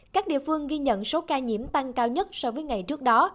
các địa phương ghi nhận số ca nhiễm tăng cao nhất so với ngày trước đó